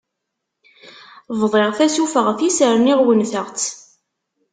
Bḍiɣ tasufeɣt-is rniɣ wennteɣ-tt.